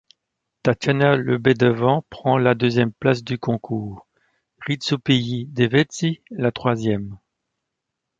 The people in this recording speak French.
Tatyana Lebedeva prend la deuxième place du concours, Hrysopiyí Devetzí la troisième.